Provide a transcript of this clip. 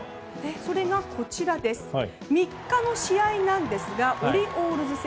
それが３日の試合なんですがオリオールズ戦。